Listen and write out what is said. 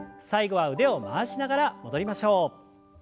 最後は腕を回しながら戻りましょう。